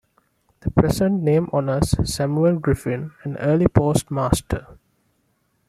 The present name honors Samuel Griffin, an early postmaster.